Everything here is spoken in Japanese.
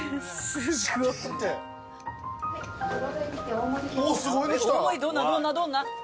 大盛りどんなどんなどんな？